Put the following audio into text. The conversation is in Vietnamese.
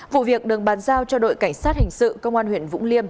vụ việc được bàn giao cho đội cảnh sát hình sự công an huyện vũng liêm